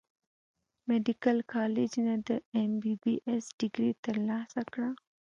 ميديکل کالج نۀ د ايم بي بي ايس ډګري تر لاسه کړه